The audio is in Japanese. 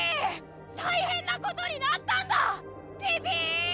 大変なことになったんだピピ！